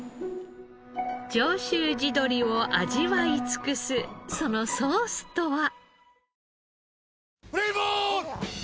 上州地鶏を味わい尽くすそのソースとは？